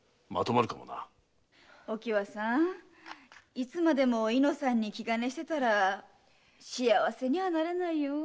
いつまでも猪之さんに気兼ねしてたら幸せになれないよ。